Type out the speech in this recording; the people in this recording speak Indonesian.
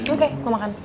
oke gue makan